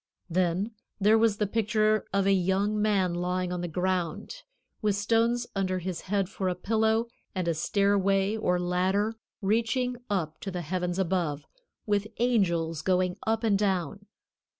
Then there was the picture of a young man lying on the ground, with stones under his head for a pillow, and a stairway or ladder reaching up to the heavens above, with angels going up and down.